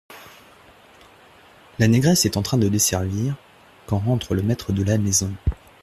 La négresse est en train de desservir, quand rentre le maître de la maison.